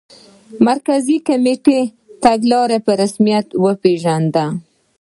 مرکزي کمېټې تګلاره په رسمیت وپېژنده.